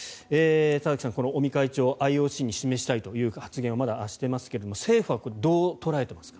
田崎さん、尾身会長ＩＯＣに示したいという発言をまだしていますが政府はどう捉えていますか？